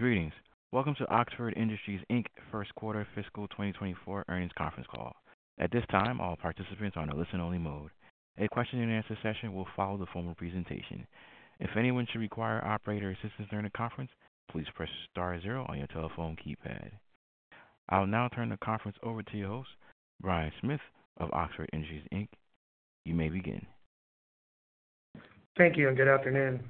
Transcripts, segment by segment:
Greetings. Welcome to Oxford Industries, Inc. First Quarter Fiscal 2024 earnings conference call. At this time, all participants are in a listen-only mode. A question-and-answer session will follow the formal presentation. If anyone should require operator assistance during the conference, please press star zero on your telephone keypad. I'll now turn the conference over to your host, Brian Smith of Oxford Industries, Inc. You may begin. Thank you, and good afternoon.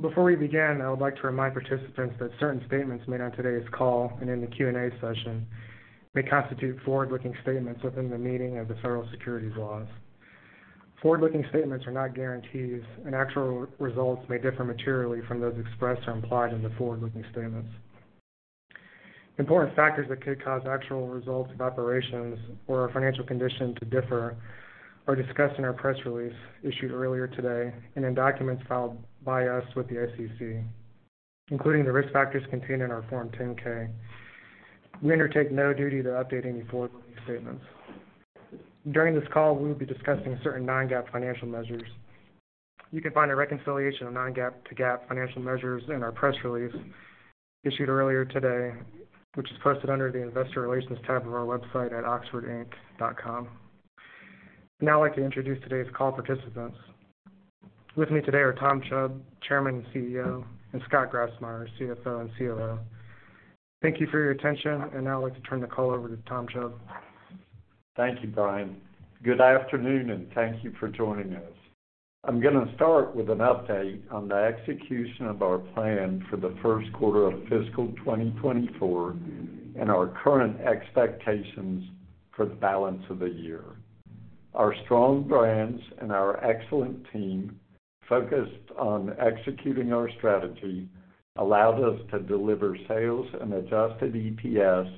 Before we begin, I would like to remind participants that certain statements made on today's call and in the Q&A session may constitute forward-looking statements within the meaning of the Federal Securities Laws. Forward-looking statements are not guarantees, and actual results may differ materially from those expressed or implied in the forward-looking statements. Important factors that could cause actual results of operations or financial condition to differ are discussed in our press release issued earlier today and in documents filed by us with the SEC, including the risk factors contained in our Form 10-K. We undertake no duty to update any forward-looking statements. During this call, we will be discussing certain non-GAAP financial measures. You can find a reconciliation of non-GAAP to GAAP financial measures in our press release issued earlier today, which is posted under the Investor Relations tab of our website at oxfordinc.com. Now I'd like to introduce today's call participants. With me today are Tom Chubb, Chairman and CEO, and Scott Grassmyer, CFO and COO. Thank you for your attention, and now I'd like to turn the call over to Tom Chubb. Thank you, Brian. Good afternoon, and thank you for joining us. I'm going to start with an update on the execution of our plan for the Q1 of fiscal 2024 and our current expectations for the balance of the year. Our strong brands and our excellent team focused on executing our strategy allowed us to deliver sales and adjusted EPS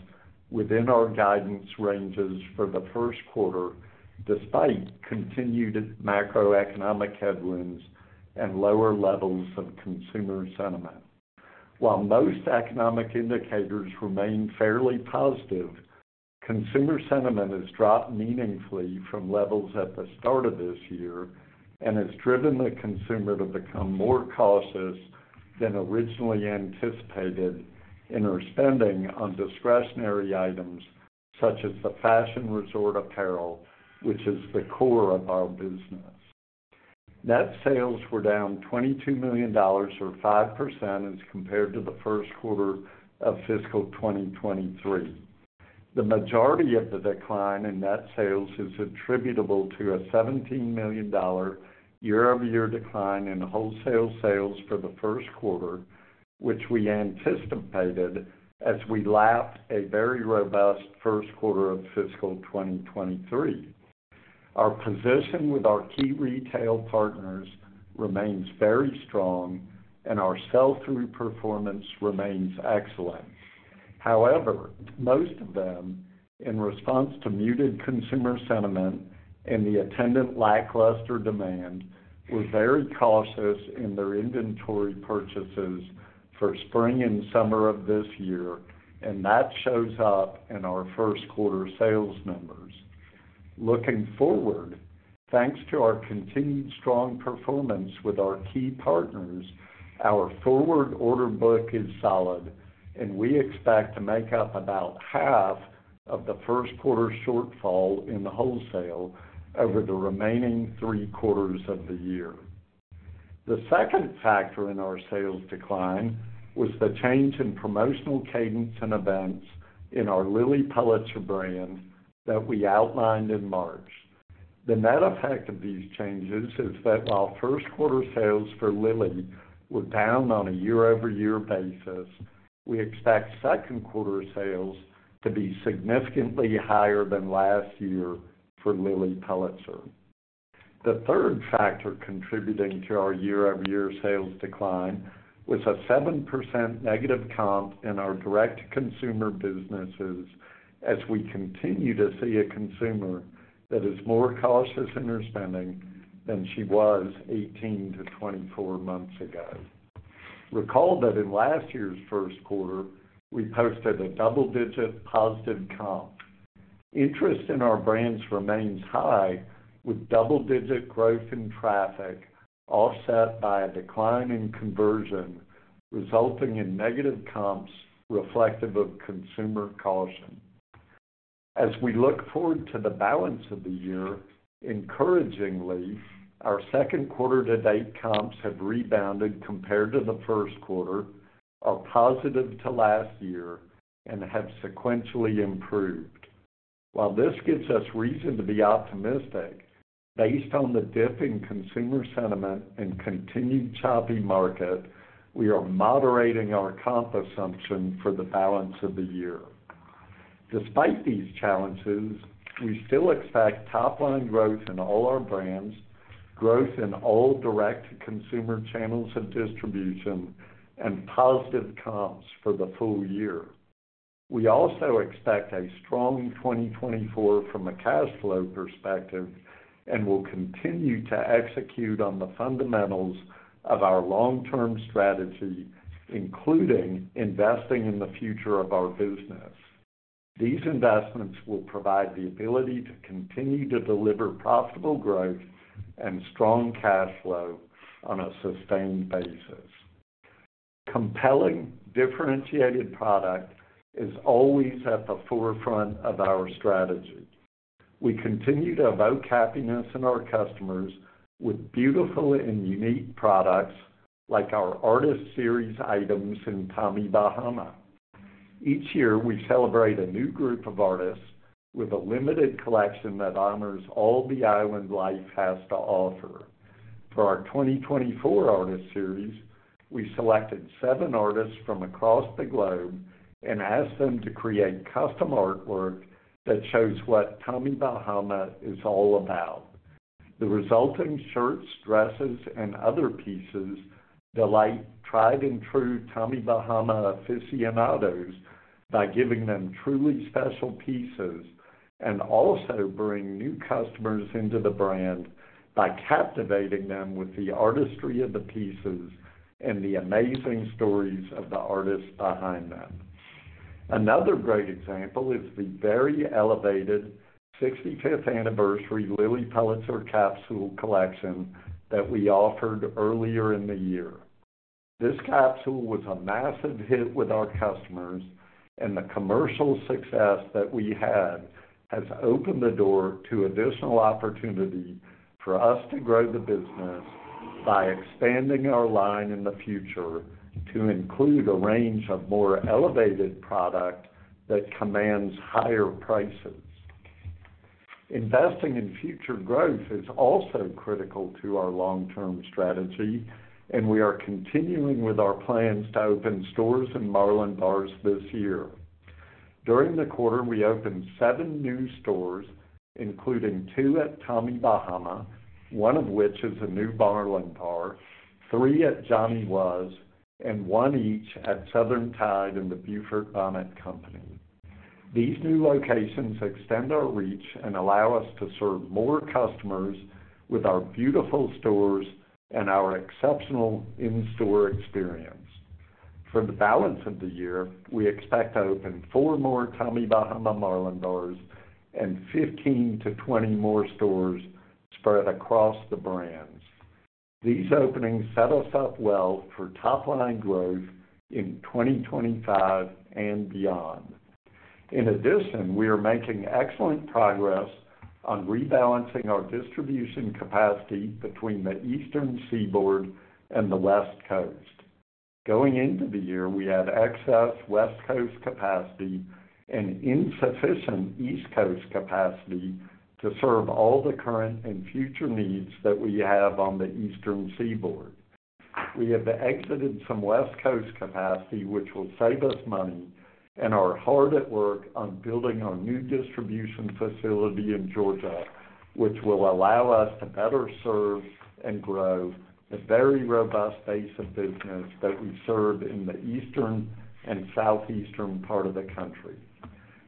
within our guidance ranges for the Q1, despite continued macroeconomic headwinds and lower levels of consumer sentiment. While most economic indicators remain fairly positive, consumer sentiment has dropped meaningfully from levels at the start of this year and has driven the consumer to become more cautious than originally anticipated in our spending on discretionary items such as the fashion resort apparel, which is the core of our business. Net sales were down $22 million, or 5%, as compared to the Q1 of fiscal 2023. The majority of the decline in net sales is attributable to a $17 million year-over-year decline in wholesale sales for the Q1, which we anticipated as we left a very robust Q1 of fiscal 2023. Our position with our key retail partners remains very strong, and our sell-through performance remains excellent. However, most of them, in response to muted consumer sentiment and the attendant lackluster demand, were very cautious in their inventory purchases for spring and summer of this year, and that shows up in our Q1 sales numbers. Looking forward, thanks to our continued strong performance with our key partners, our forward order book is solid, and we expect to make up about half of the Q1 shortfall in wholesale over the remaining three quarters of the year. The second factor in our sales decline was the change in promotional cadence and events in our Lilly Pulitzer brand that we outlined in March. The net effect of these changes is that while Q1 sales for Lilly were down on a year-over-year basis, we expect Q2 sales to be significantly higher than last year for Lilly Pulitzer. The third factor contributing to our year-over-year sales decline was a 7% negative comp in our direct-to-consumer businesses as we continue to see a consumer that is more cautious in her spending than she was 18 to 24 months ago. Recall that in last year's Q1, we posted a double-digit positive comp. Interest in our brands remains high, with double-digit growth in traffic offset by a decline in conversion, resulting in negative comps reflective of consumer caution. As we look forward to the balance of the year, encouragingly, our Q2-to-date comps have rebounded compared to the Q1, are positive to last year, and have sequentially improved. While this gives us reason to be optimistic, based on the dip in consumer sentiment and continued choppy market, we are moderating our comp assumption for the balance of the year. Despite these challenges, we still expect top-line growth in all our brands, growth in all direct-to-consumer channels of distribution, and positive comps for the full year. We also expect a strong 2024 from a cash flow perspective and will continue to execute on the fundamentals of our long-term strategy, including investing in the future of our business. These investments will provide the ability to continue to deliver profitable growth and strong cash flow on a sustained basis. Compelling, differentiated product is always at the forefront of our strategy. We continue to evoke happiness in our customers with beautiful and unique products like our Artist Series items in Tommy Bahama. Each year, we celebrate a new group of artists with a limited collection that honors all the island life has to offer. For our 2024 Artist Series, we selected seven artists from across the globe and asked them to create custom artwork that shows what Tommy Bahama is all about. The resulting shirts, dresses, and other pieces delight tried-and-true Tommy Bahama aficionados by giving them truly special pieces and also bring new customers into the brand by captivating them with the artistry of the pieces and the amazing stories of the artists behind them. Another great example is the very elevated 65th anniversary Lilly Pulitzer capsule collection that we offered earlier in the year. This capsule was a massive hit with our customers, and the commercial success that we had has opened the door to additional opportunity for us to grow the business by expanding our line in the future to include a range of more elevated product that commands higher prices. Investing in future growth is also critical to our long-term strategy, and we are continuing with our plans to open stores in Marlin Bar this year. During the quarter, we opened seven new stores, including two at Tommy Bahama, one of which is a new Marlin Bar, three at Johnny Was, and one each at Southern Tide and the Beaufort Bonnet Company. These new locations extend our reach and allow us to serve more customers with our beautiful stores and our exceptional in-store experience. For the balance of the year, we expect to open 4 more Tommy Bahama Marlin Bars and 15-20 more stores spread across the brands. These openings set us up well for top-line growth in 2025 and beyond. In addition, we are making excellent progress on rebalancing our distribution capacity between the Eastern Seaboard and the West Coast. Going into the year, we had excess West Coast capacity and insufficient East Coast capacity to serve all the current and future needs that we have on the Eastern Seaboard. We have exited some West Coast capacity, which will save us money, and are hard at work on building our new distribution facility in Georgia, which will allow us to better serve and grow a very robust base of business that we serve in the eastern and southeastern part of the country.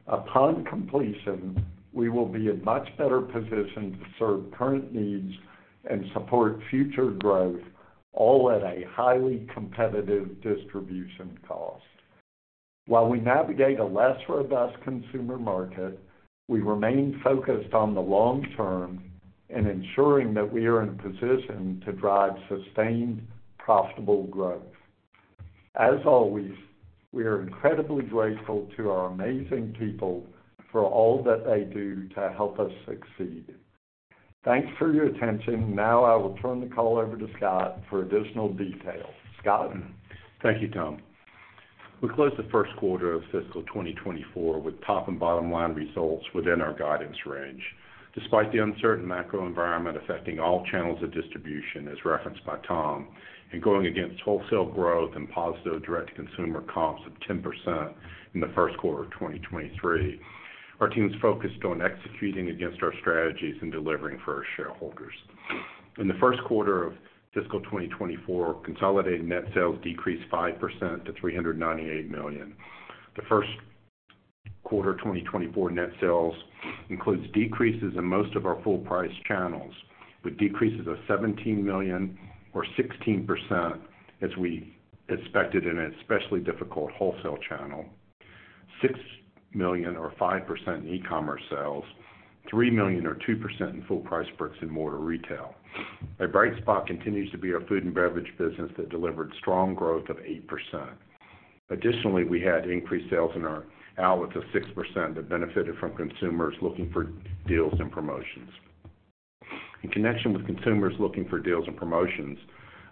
Upon completion, we will be in much better position to serve current needs and support future growth, all at a highly competitive distribution cost. While we navigate a less robust consumer market, we remain focused on the long term and ensuring that we are in position to drive sustained, profitable growth. As always, we are incredibly grateful to our amazing people for all that they do to help us succeed. Thanks for your attention. Now I will turn the call over to Scott for additional detail. Scott? Thank you, Tom. We closed the Q1 of fiscal 2024 with top and bottom-line results within our guidance range. Despite the uncertain macroenvironment affecting all channels of distribution, as referenced by Tom, and going against wholesale growth and positive direct-to-consumer comps of 10% in the Q1 of 2023, our team is focused on executing against our strategies and delivering for our shareholders. In the Q1 of fiscal 2024, consolidated net sales decreased 5% to $398 million. The Q1 of 2024 net sales includes decreases in most of our full-price channels, with decreases of $17 million, or 16%, as we expected in an especially difficult wholesale channel, $6 million, or 5%, in e-commerce sales, $3 million, or 2%, in full-price brick-and-mortar retail. A bright spot continues to be our food and beverage business that delivered strong growth of 8%. Additionally, we had increased sales in our outlets of 6% that benefited from consumers looking for deals and promotions. In connection with consumers looking for deals and promotions,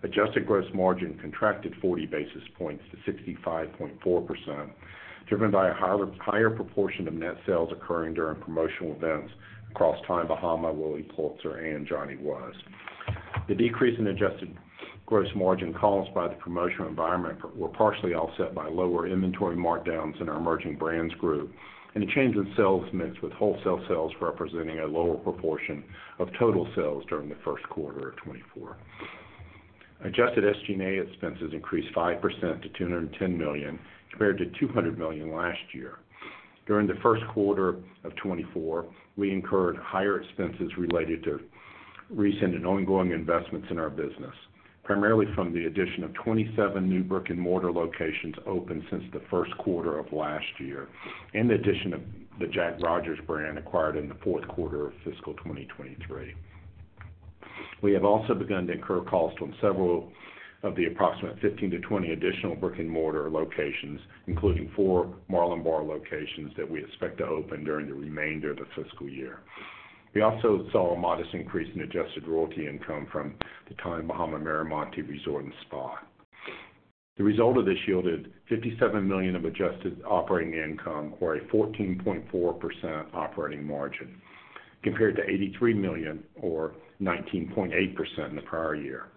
adjusted gross margin contracted 40 basis points to 65.4%, driven by a higher proportion of net sales occurring during promotional events across Tommy Bahama, Lilly Pulitzer, and Johnny Was. The decrease in adjusted gross margin caused by the promotional environment was partially offset by lower inventory markdowns in our emerging brands group, and a change in sales mix with wholesale sales representing a lower proportion of total sales during the Q1 of 2024. Adjusted SG&A expenses increased 5% to $210 million, compared to $200 million last year. During the Q1 of 2024, we incurred higher expenses related to recent and ongoing investments in our business, primarily from the addition of 27 new brick-and-mortar locations opened since the Q1 of last year, and the addition of the Jack Rogers brand acquired in the Q4 of fiscal 2023. We have also begun to incur costs on several of the approximate 15-20 additional brick-and-mortar locations, including 4 Marlin Bar locations that we expect to open during the remainder of the fiscal year. We also saw a modest increase in adjusted royalty income from the Tommy Bahama Miramonte Resort and Spa. The result of this yielded $57 million of adjusted operating income, or a 14.4% operating margin, compared to $83 million, or 19.8%, in the prior year.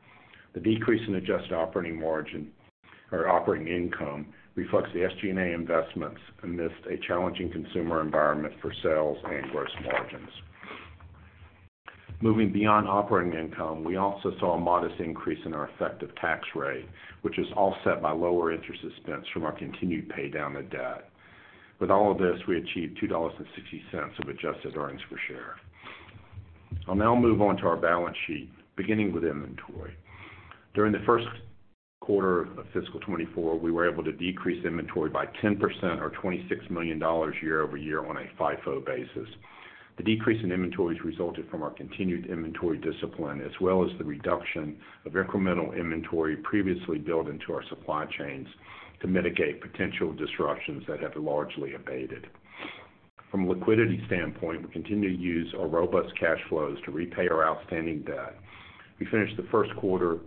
The decrease in adjusted operating margin or operating income reflects the SG&A investments amidst a challenging consumer environment for sales and gross margins. Moving beyond operating income, we also saw a modest increase in our effective tax rate, which is offset by lower interest expense from our continued pay down of debt. With all of this, we achieved $2.60 of adjusted earnings per share. I'll now move on to our balance sheet, beginning with inventory. During the Q1 of fiscal 2024, we were able to decrease inventory by 10%, or $26 million year-over-year, on a FIFO basis. The decrease in inventories resulted from our continued inventory discipline, as well as the reduction of incremental inventory previously built into our supply chains to mitigate potential disruptions that have largely abated. From a liquidity standpoint, we continue to use our robust cash flows to repay our outstanding debt. We finished the Q1 of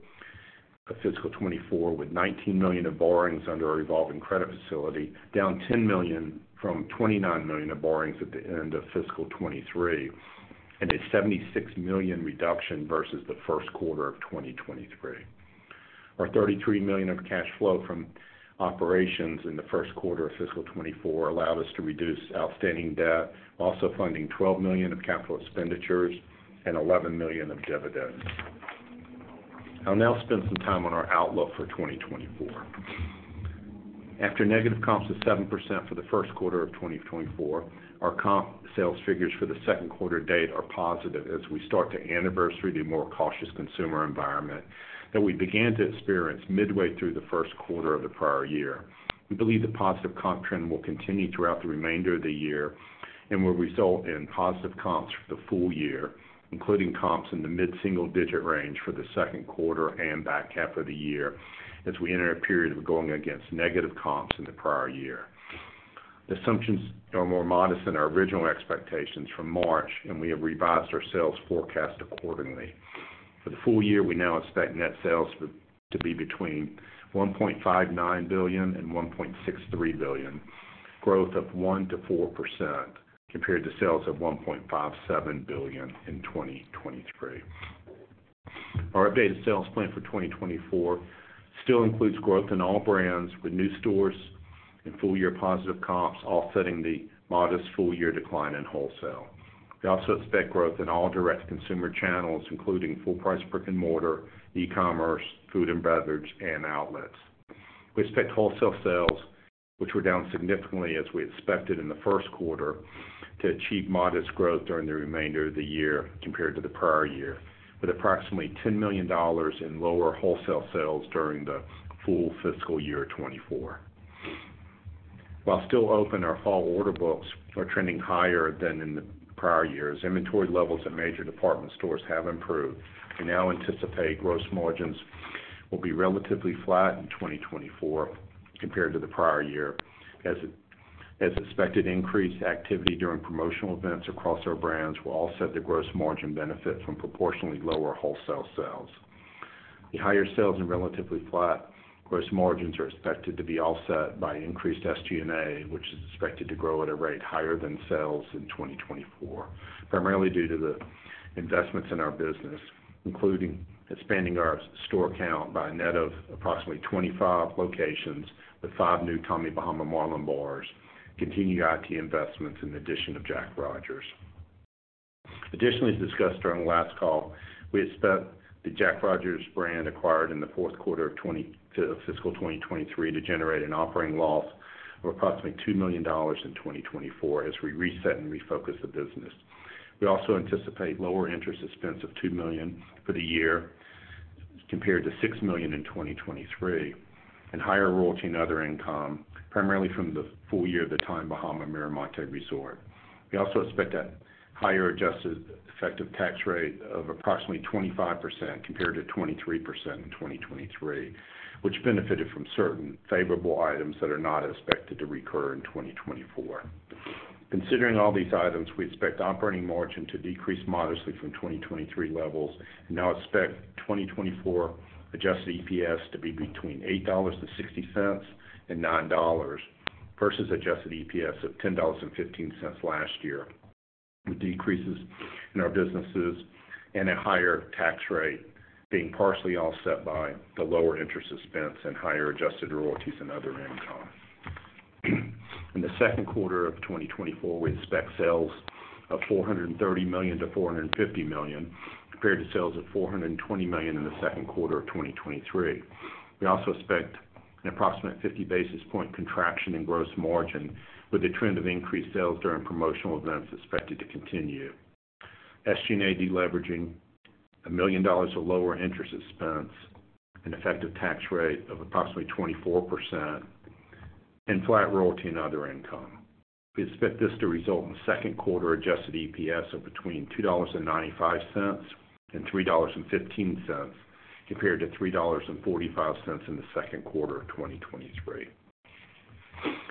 fiscal 2024 with $19 million of borrowings under our revolving credit facility, down $10 million from $29 million of borrowings at the end of fiscal 2023, and a $76 million reduction versus the Q1 of 2023. Our $33 million of cash flow from operations in the Q1 of fiscal 2024 allowed us to reduce outstanding debt, also funding $12 million of capital expenditures and $11 million of dividends. I'll now spend some time on our outlook for 2024. After negative comps of 7% for the Q1 of 2024, our comp sales figures for the Q2 to date are positive as we start to anniversary the more cautious consumer environment that we began to experience midway through the Q1 of the prior year. We believe the positive comp trend will continue throughout the remainder of the year and will result in positive comps for the full year, including comps in the mid-single-digit range for the Q2 and back half of the year as we enter a period of going against negative comps in the prior year. The assumptions are more modest than our original expectations from March, and we have revised our sales forecast accordingly. For the full year, we now expect net sales to be between $1.59 billion and $1.63 billion, growth of 1%-4% compared to sales of $1.57 billion in 2023. Our updated sales plan for 2024 still includes growth in all brands with new stores and full-year positive comps, offsetting the modest full-year decline in wholesale. We also expect growth in all direct-to-consumer channels, including full-price brick-and-mortar, e-commerce, food and beverage, and outlets. We expect wholesale sales, which were down significantly as we expected in the Q1, to achieve modest growth during the remainder of the year compared to the prior year, with approximately $10 million in lower wholesale sales during the full FY 2024. While still open, our fall order books are trending higher than in the prior year as inventory levels at major department stores have improved. We now anticipate gross margins will be relatively flat in 2024 compared to the prior year, as expected increased activity during promotional events across our brands will offset the gross margin benefit from proportionally lower wholesale sales. The higher sales and relatively flat gross margins are expected to be offset by increased SG&A, which is expected to grow at a rate higher than sales in 2024, primarily due to the investments in our business, including expanding our store count by a net of approximately 25 locations with five new Tommy Bahama Marlin Bars, continued IT investments, and the addition of Jack Rogers. Additionally, as discussed during the last call, we expect the Jack Rogers brand acquired in the Q4 of fiscal 2023 to generate an operating loss of approximately $2 million in 2024 as we reset and refocus the business. We also anticipate lower interest expense of $2 million for the year compared to $6 million in 2023, and higher royalty and other income, primarily from the full year of the Tommy Bahama Miramonte Resort. We also expect a higher adjusted effective tax rate of approximately 25% compared to 23% in 2023, which benefited from certain favorable items that are not expected to recur in 2024. Considering all these items, we expect operating margin to decrease modestly from 2023 levels, and now expect 2024 adjusted EPS to be between $8.60 and $9.00 versus adjusted EPS of $10.15 last year, with decreases in our businesses and a higher tax rate being partially offset by the lower interest expense and higher adjusted royalties and other income. In the Q2 of 2024, we expect sales of $430 million-$450 million, compared to sales of $420 million in the Q2 of 2023. We also expect an approximate 50 basis points contraction in gross margin, with a trend of increased sales during promotional events expected to continue. SG&A deleveraging $1 million of lower interest expense, an effective tax rate of approximately 24%, and flat royalty and other income. We expect this to result in Q2 adjusted EPS of between $2.95 and $3.15, compared to $3.45 in the Q2 of 2023.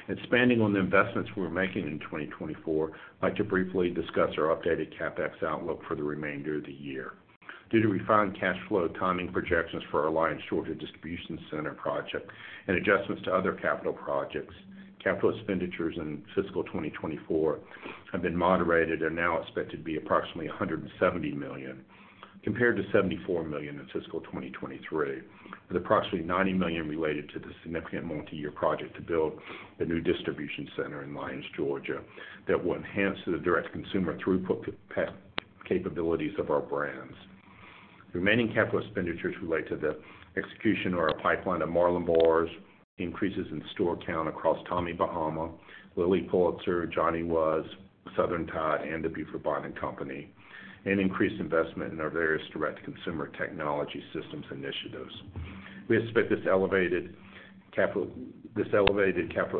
Expanding on the investments we were making in 2024, I'd like to briefly discuss our updated CapEx outlook for the remainder of the year. Due to refined cash flow timing projections for our Lyons, Georgia distribution center project and adjustments to other capital projects, capital expenditures in fiscal 2024 have been moderated and now expected to be approximately $170 million, compared to $74 million in fiscal 2023, with approximately $90 million related to the significant multi-year project to build the new distribution center in Lyons, Georgia, that will enhance the direct-to-consumer throughput capabilities of our brands. The remaining capital expenditures relate to the execution or a pipeline of Marlin Bars, increases in store count across Tommy Bahama, Lilly Pulitzer, Johnny Was, Southern Tide, and The Beaufort Bonnet Company, and increased investment in our various direct-to-consumer technology systems initiatives. We expect this elevated capital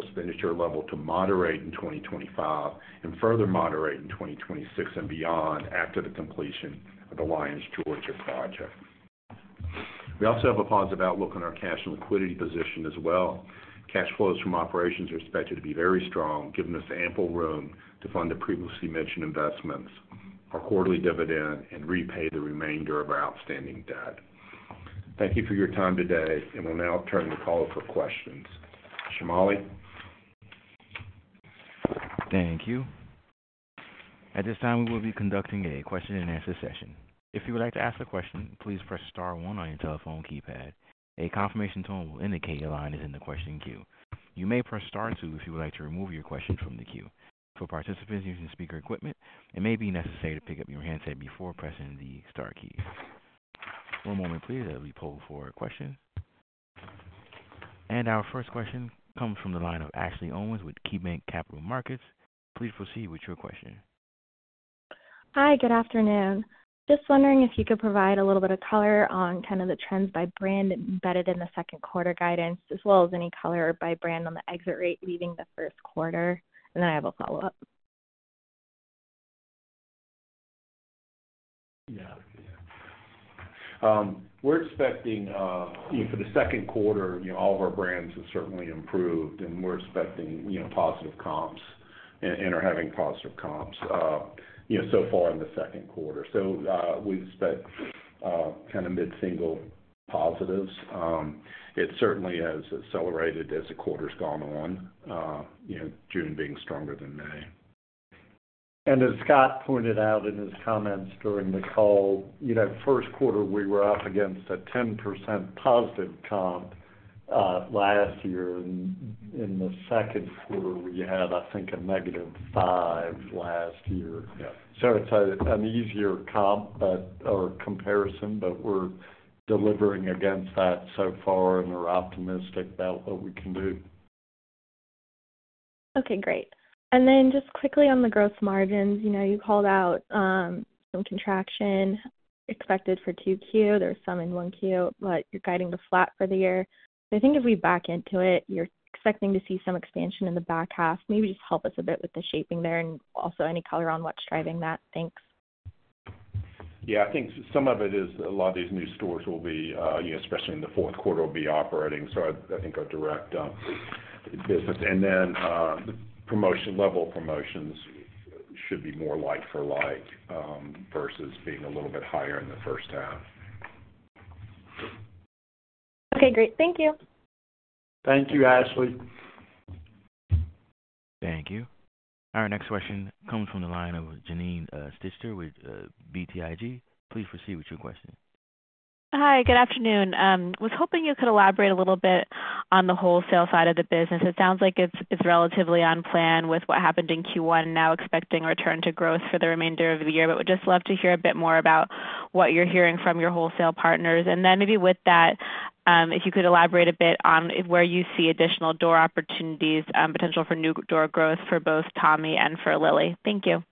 expenditure level to moderate in 2025 and further moderate in 2026 and beyond after the completion of the Lyons, Georgia project. We also have a positive outlook on our cash and liquidity position as well. Cash flows from operations are expected to be very strong, giving us ample room to fund the previously mentioned investments, our quarterly dividend, and repay the remainder of our outstanding debt. Thank you for your time today, and we'll now turn the call for questions. Shumali. Thank you. At this time, we will be conducting a question-and-answer session. If you would like to ask a question, please press Star 1 on your telephone keypad. A confirmation tone will indicate your line is in the question queue. You may press Star 2 if you would like to remove your question from the queue. For participants using speaker equipment, it may be necessary to pick up your handset before pressing the Star key. One moment, please. Let me poll for questions. Our first question comes from the line of Ashley Owens with KeyBanc Capital Markets. Please proceed with your question. Hi, good afternoon. Just wondering if you could provide a little bit of color on kind of the trends by brand embedded in the Q2 guidance, as well as any color by brand on the exit rate leaving the Q1. Then I have a follow-up. Yeah. We're expecting for the Q2, all of our brands have certainly improved, and we're expecting positive comps and are having positive comps so far in the Q2. So we expect kind of mid-single positives. It certainly has accelerated as the quarter's gone on, June being stronger than May. As Scott pointed out in his comments during the call, Q1, we were up against a 10% positive comp last year. In the Q2, we had, I think, a -5% last year. So it's an easier comp or comparison, but we're delivering against that so far, and we're optimistic about what we can do. Okay, great. And then just quickly on the gross margins, you called out some contraction expected for Q2. There's some in Q1, but you're guiding to flat for the year. So I think if we back into it, you're expecting to see some expansion in the back half. Maybe just help us a bit with the shaping there and also any color on what's driving that. Thanks. Yeah, I think some of it is a lot of these new stores will be, especially in the Q4, will be operating. So I think our direct business and then the level of promotions should be more like-for-like versus being a little bit higher in the first half. Okay, great. Thank you. Thank you, Ashley. Thank you. Our next question comes from the line of Janine Stichter with BTIG. Please proceed with your question. Hi, good afternoon. I was hoping you could elaborate a little bit on the wholesale side of the business. It sounds like it's relatively on plan with what happened in Q1 and now expecting a return to growth for the remainder of the year, but would just love to hear a bit more about what you're hearing from your wholesale partners. And then maybe with that, if you could elaborate a bit on where you see additional door opportunities, potential for new door growth for both Tommy and for Lilly. Thank you.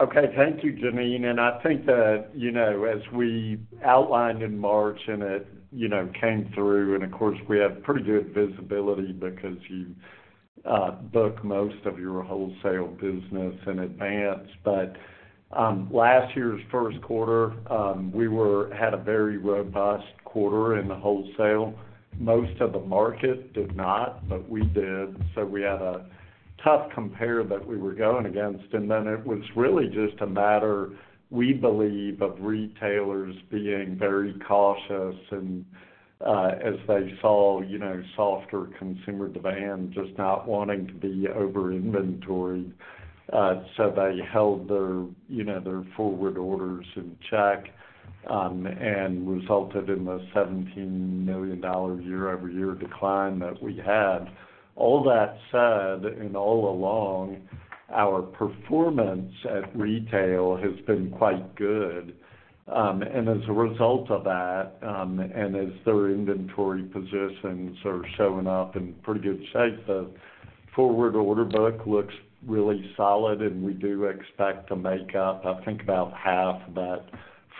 Okay, thank you, Janine. And I think that as we outlined in March and it came through, and of course, we have pretty good visibility because you book most of your wholesale business in advance. But last year's Q1, we had a very robust quarter in the wholesale. Most of the market did not, but we did. So we had a tough compare that we were going against. And then it was really just a matter, we believe, of retailers being very cautious as they saw softer consumer demand, just not wanting to be over-inventory. So they held their forward orders in check and resulted in the $17 million year-over-year decline that we had. All that said, and all along, our performance at retail has been quite good. And as a result of that, and as their inventory positions are showing up in pretty good shape, the forward order book looks really solid, and we do expect to make up, I think, about half of that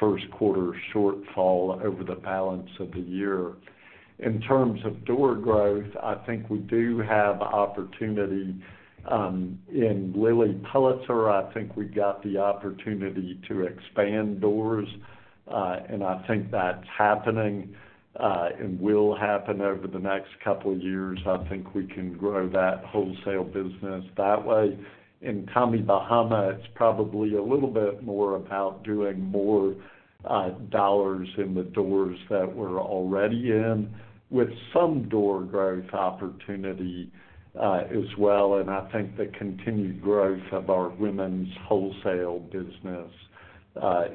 Q1 shortfall over the balance of the year. In terms of door growth, I think we do have opportunity. In Lilly Pulitzer, I think we got the opportunity to expand doors, and I think that's happening and will happen over the next couple of years. I think we can grow that wholesale business that way. In Tommy Bahama, it's probably a little bit more about doing more dollars in the doors that we're already in, with some door growth opportunity as well. I think the continued growth of our women's wholesale business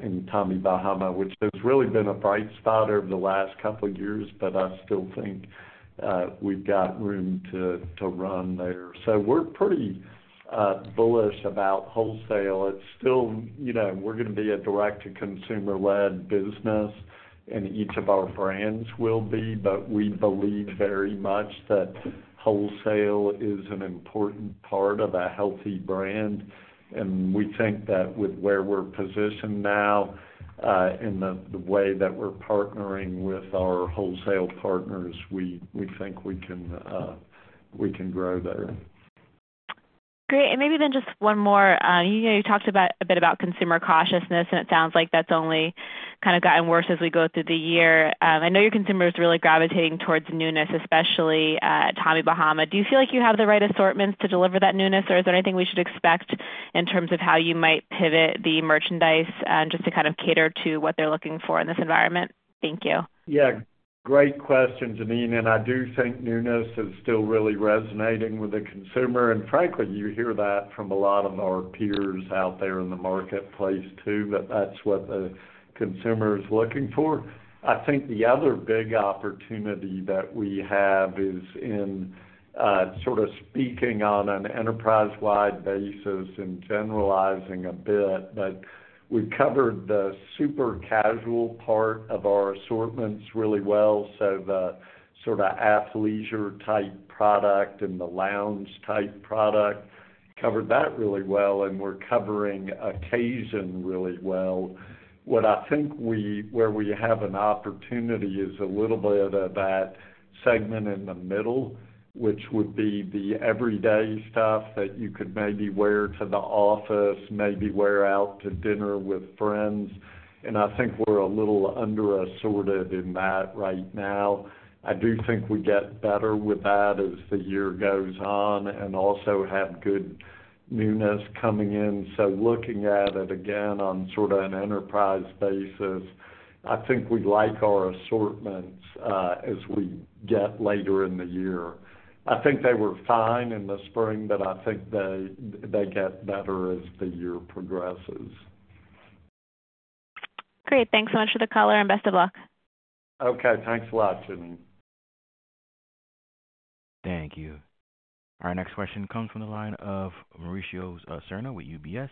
in Tommy Bahama, which has really been a bright spot over the last couple of years, but I still think we've got room to run there. So we're pretty bullish about wholesale. It's still we're going to be a direct-to-consumer-led business, and each of our brands will be, but we believe very much that wholesale is an important part of a healthy brand. And we think that with where we're positioned now and the way that we're partnering with our wholesale partners, we think we can grow there. Okay, great. And maybe then just one more. You talked a bit about consumer cautiousness, and it sounds like that's only kind of gotten worse as we go through the year. I know your consumers are really gravitating towards newness, especially Tommy Bahama. Do you feel like you have the right assortments to deliver that newness, or is there anything we should expect in terms of how you might pivot the merchandise just to kind of cater to what they're looking for in this environment? Thank you. Yeah, great question, Janine. And I do think newness is still really resonating with the consumer. And frankly, you hear that from a lot of our peers out there in the marketplace too, that that's what the consumer is looking for. I think the other big opportunity that we have is in sort of speaking on an enterprise-wide basis and generalizing a bit, but we've covered the super casual part of our assortments really well. So the sort of athleisure-type product and the lounge-type product covered that really well, and we're covering occasion really well. What I think where we have an opportunity is a little bit of that segment in the middle, which would be the everyday stuff that you could maybe wear to the office, maybe wear out to dinner with friends. And I think we're a little under-assorted in that right now. I do think we get better with that as the year goes on and also have good newness coming in. So looking at it again on sort of an enterprise basis, I think we like our assortments as we get later in the year. I think they were fine in the spring, but I think they get better as the year progresses. Great. Thanks so much for the color and best of luck. Okay, thanks a lot, Janine. Thank you. Our next question comes from the line of Mauricio Serna with UBS.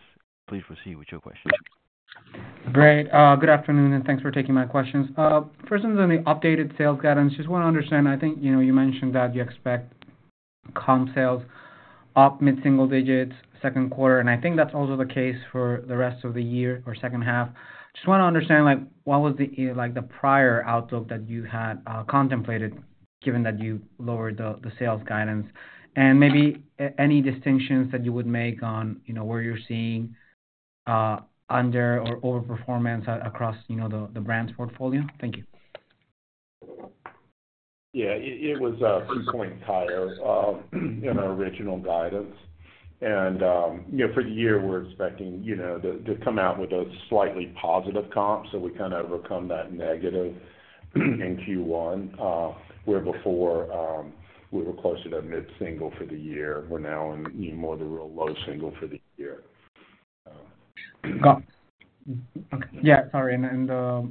Please proceed with your question. Great. Good afternoon, and thanks for taking my questions. First, in the updated sales guidance, just want to understand. I think you mentioned that you expect comp sales up mid-single digits Q2, and I think that's also the case for the rest of the year or second half. Just want to understand what was the prior outlook that you had contemplated, given that you lowered the sales guidance, and maybe any distinctions that you would make on where you're seeing under or overperformance across the brand's portfolio. Thank you. Yeah, it was a 3-point higher in our original guidance. For the year, we're expecting to come out with a slightly positive comp, so we kind of overcome that negative in Q1, where before we were closer to mid-single for the year. We're now in more of the real low single for the year. Yeah, sorry. And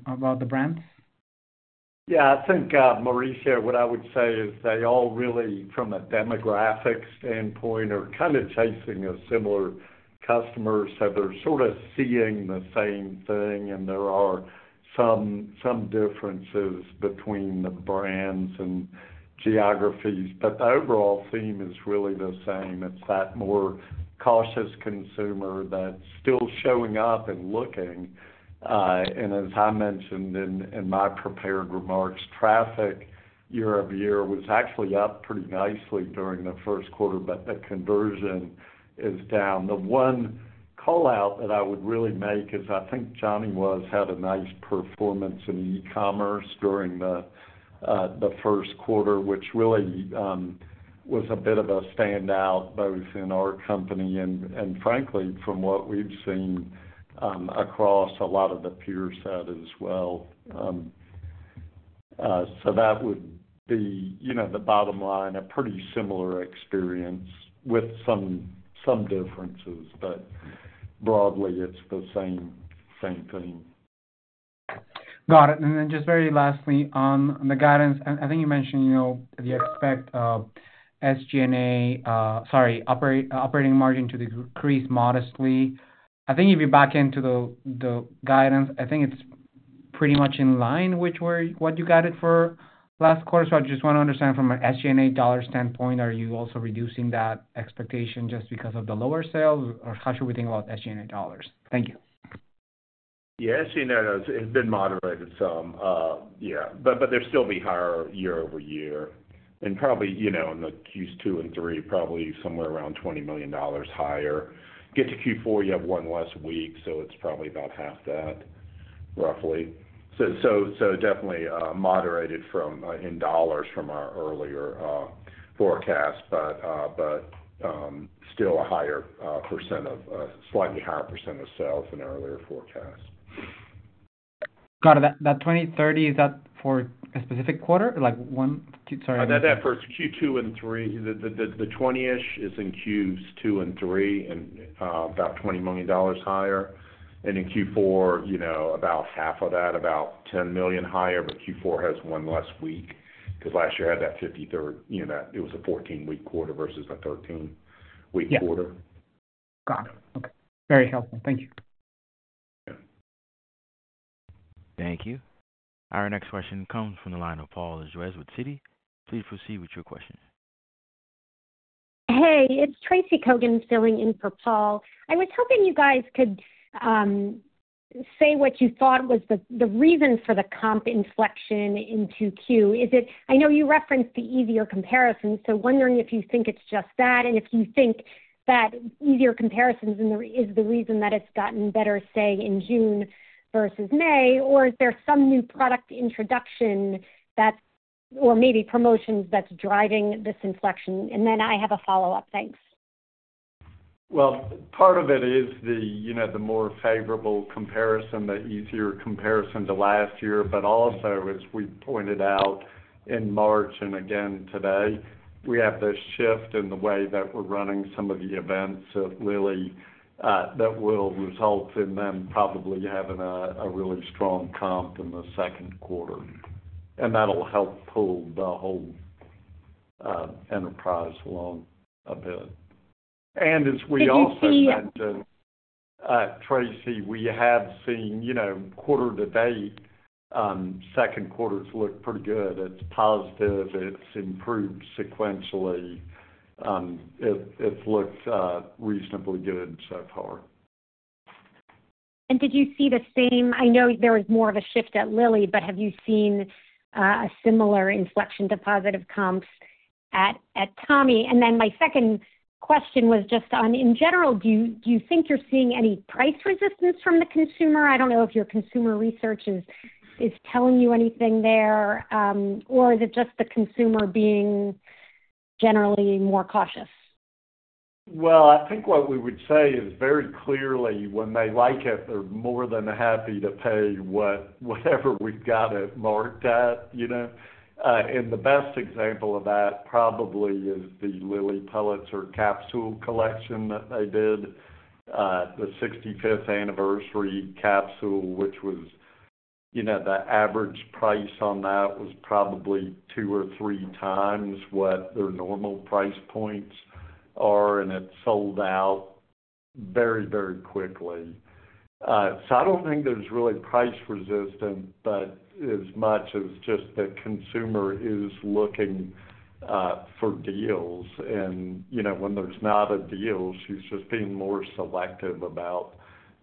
about the brands? Yeah, I think Mauricio, what I would say is they all really, from a demographic standpoint, are kind of chasing similar customers. So they're sort of seeing the same thing, and there are some differences between the brands and geographies. But the overall theme is really the same. It's that more cautious consumer that's still showing up and looking. And as I mentioned in my prepared remarks, traffic year-over-year was actually up pretty nicely during the Q1, but the conversion is down. The one callout that I would really make is I think Johnny Was had a nice performance in e-commerce during the Q1, which really was a bit of a standout both in our company and, frankly, from what we've seen across a lot of the peers' side as well. That would be, the bottom line, a pretty similar experience with some differences, but broadly, it's the same thing. Got it. And then just very lastly, on the guidance, I think you mentioned you expect SG&A, sorry, operating margin to decrease modestly. I think if you back into the guidance, I think it's pretty much in line with what you guided for last quarter. So I just want to understand from an SG&A dollar standpoint, are you also reducing that expectation just because of the lower sales, or how should we think about SG&A dollars? Thank you. Yeah, SG&A has been moderated some. Yeah, but there'll still be higher year-over-year. And probably in the Q2 and Q3, probably somewhere around $20 million higher. Get to Q4, you have one less week, so it's probably about half that, roughly. So definitely moderated in dollars from our earlier forecast, but still a higher percent of a slightly higher percent of sales than earlier forecast. Got it. That 2030, is that for a specific quarter? Sorry. That's for Q2 and 3. The 20-ish is in Qs 2 and 3 and about $20 million higher. And in Q4, about half of that, about $10 million higher, but Q4 has one less week because last year had that 53rd, it was a 14-week quarter versus a 13-week quarter. Got it. Okay. Very helpful. Thank you. Yeah. Thank you. Our next question comes from the line of Paul Lejuez with Citi. Please proceed with your question. Hey, it's Tracy Kogan filling in for Paul. I was hoping you guys could say what you thought was the reason for the comp inflection in Q2? I know you referenced the easier comparison, so wondering if you think it's just that and if you think that easier comparisons is the reason that it's gotten better, say, in June versus May, or is there some new product introduction or maybe promotions that's driving this inflection? And then I have a follow-up. Thanks. Well, part of it is the more favorable comparison, the easier comparison to last year, but also, as we pointed out in March and again today, we have this shift in the way that we're running some of the events that will result in them probably having a really strong comp in the Q2. And that'll help pull the whole enterprise along a bit. And as we also mentioned, Tracy, we have seen quarter-to-date, Q2 look pretty good. It's positive. It's improved sequentially. It looks reasonably good so far. Did you see the same? I know there was more of a shift at Lilly, but have you seen a similar inflection point of comps at Tommy? Then my second question was just, in general, do you think you're seeing any price resistance from the consumer? I don't know if your consumer research is telling you anything there, or is it just the consumer being generally more cautious? Well, I think what we would say is very clearly, when they like it, they're more than happy to pay whatever we've got it marked at. And the best example of that probably is the Lilly Pulitzer capsule collection that they did, the 65th anniversary capsule, which was the average price on that was probably two or three times what their normal price points are, and it sold out very, very quickly. So I don't think there's really price resistance, but as much as just the consumer is looking for deals. And when there's not a deal, she's just being more selective about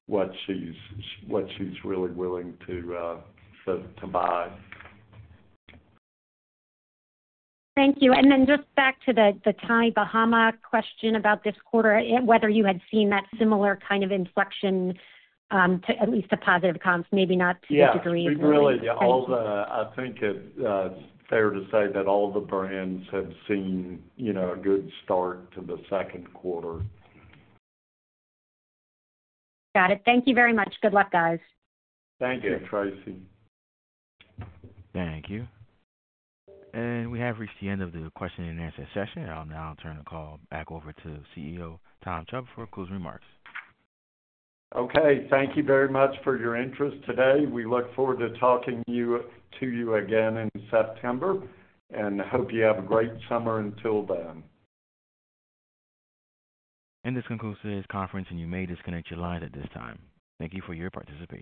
what she's really willing to buy. Thank you. And then just back to the Tommy Bahama question about this quarter, whether you had seen that similar kind of inflection, at least to positive comps, maybe not to a degree as well? Yeah, I think it's fair to say that all the brands have seen a good start to the Q2. Got it. Thank you very much. Good luck, guys. Thank you, Tracy. Thank you. We have reached the end of the question and answer session. I'll now turn the call back over to CEO Tom Chubb for closing remarks. Okay, thank you very much for your interest today. We look forward to talking to you again in September, and I hope you have a great summer until then. This concludes today's conference, and you may disconnect your line at this time. Thank you for your participation.